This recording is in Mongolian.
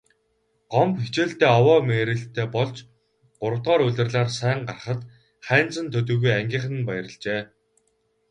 Гомбо хичээлдээ овоо мэрийлттэй болж гуравдугаар улирлаар сайн гарахад Хайнзан төдийгүй ангийнхан нь баярлажээ.